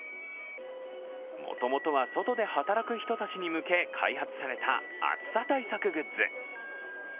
もともとは外で働く人たちに向け開発された暑さ対策グッズ。